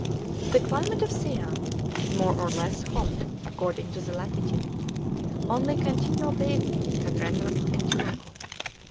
The climate of Siam is more or less hot according to the latitude; only continual bathing can render it endurable.